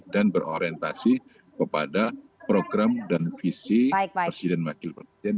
dan berorientasi kepada program dan visi presiden makil presiden